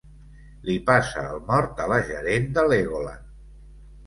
Li passa el mort a la gerent de Legoland.